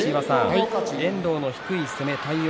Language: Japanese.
遠藤の低い攻め、対応